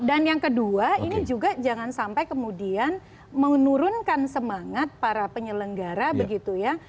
dan yang kedua ini juga jangan sampai kemudian menurunkan semangat para penyelenggara begitu ya